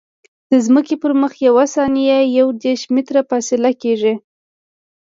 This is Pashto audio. د ځمکې پر مخ یوه ثانیه یو دېرش متره فاصله کیږي